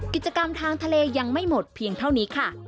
กิจกรรมทางทะเลยังไม่หมดเพียงเท่านี้ค่ะ